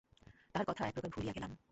তাহার কথা একপ্রকার ভুলিয়া গেলাম।